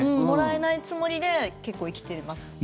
もらえないつもりで結構生きてます。